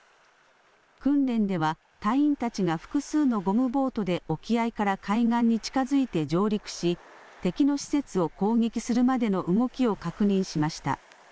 訓練では隊員たちが複数のゴムボートで沖合から海岸に近づいて上陸し、敵の施設を攻撃するまでの動きを確認しました。